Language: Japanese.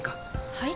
はい？